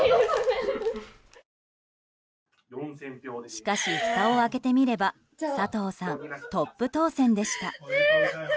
しかし、ふたを開けてみれば佐藤さん、トップ当選でした。